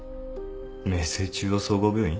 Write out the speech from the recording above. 名星中央総合病院？